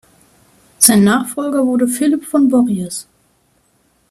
Sein Nachfolger wurde Philipp von Borries.